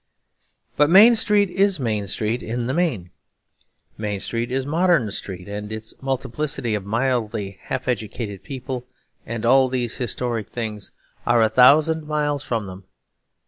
But Main Street is Main Street in the main. Main Street is Modern Street in its multiplicity of mildly half educated people; and all these historic things are a thousand miles from them.